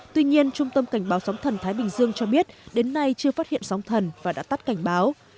tuy nhiên trung tâm cảnh báo sóng thần thái bình dương cho biết đến nay chưa phát hiện sóng thần và đã tắt cảnh báo